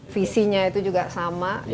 visinya itu juga sama